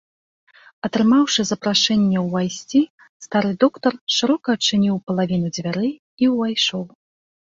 Атрымаўшы запрашэнне ўвайсці, стары доктар шырока адчыніў палавіну дзвярэй і ўвайшоў.